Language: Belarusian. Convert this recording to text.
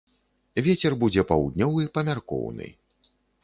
Вецер будзе паўднёвы, памяркоўны.